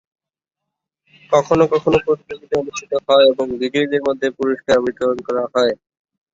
কখনও কখনও প্রতিযোগিতা অনুষ্ঠিত হয় এবং বিজয়ীদের মধ্যে পুরস্কার বিতরণ করা হয়।